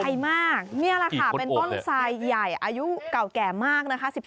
ใหญ่มากนี่แหละค่ะเป็นต้นทรายใหญ่อายุเก่าแก่มากนะคะ